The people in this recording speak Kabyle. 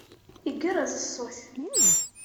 Igerrez ṣṣut.